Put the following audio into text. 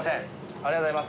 ありがとうございます